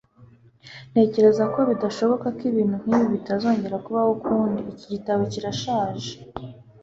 ntekereza ko bidashoboka ko ibintu nkibi bitazongera kubaho ukundi. iki gitabo kirashaje